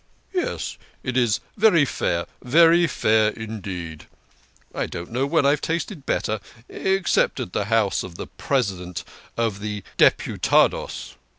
" Yes, it's very fair, very fair, indeed. I don't know when I've tasted better, except at the house of the President of the Deputados.